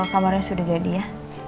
kamarnya sudah jadi ya